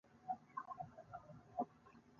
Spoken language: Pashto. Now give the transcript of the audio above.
په افغانستان کې د چار مغز خورا ډېرې منابع شته دي.